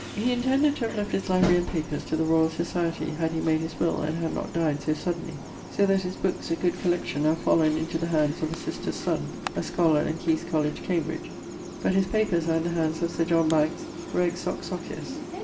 He intended to have left his library and papers to the Royall Societie, had he made his will, and had not dyed so suddainly. So that his bookes (a good collection) are fallen into the hands of a sister's son, a scholar in Caius Coll. Camb. But his papers are in the hands of Sir John Bankes, Reg. Soc. Socius.